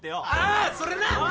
あそれな！